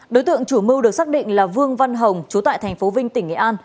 đối tượng chủ mưu được xác định là vương văn hồng chú tại tp vinh tỉnh nghệ an